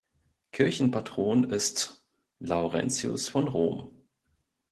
Kirchenpatron ist Laurentius von Rom.